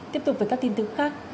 tiếp tục với các tin tức khác